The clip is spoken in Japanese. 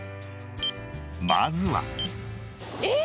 まずは。えっ！？